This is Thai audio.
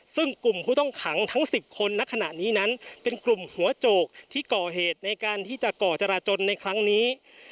ซึ่งกลุ่มผู้ต้องขังทั้ง๑๐คนณขณะนี้นั้นเป็นกลุ่มหัวโจกที่ก่อเหตุในการที่จะก่อจราจนในครั้งนี้